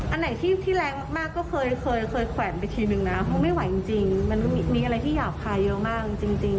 อันไหนที่แรงมากก็เคยเคยแขวนไปทีนึงนะเพราะไม่ไหวจริงมันมีอะไรที่หยาบคายเยอะมากจริง